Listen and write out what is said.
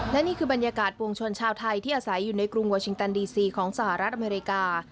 และนี่คือบรรยากาศปวงชนชาวไทยที่อาศัยอยู่ในกรุงวาชิงตันดีซีของสหรัฐอเมริกา